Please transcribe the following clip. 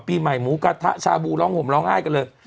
ปีใหม่หมูกระทะชาบูร้องห่มร้องไห้กันเลย